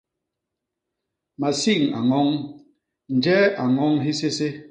Masiñ a ñoñ; njee a ñoñ hisésé?